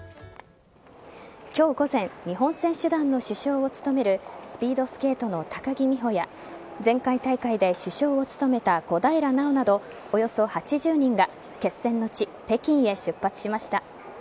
今日午前日本選手団の主将を務めるスピードスケートの高木美帆や前回大会で主将を務めた小平奈緒などおよそ８０人が決戦の地・北京へ出発しました。